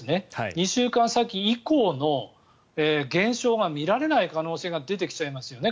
２週間先以降の減少が見られない可能性が出てきちゃいますよね。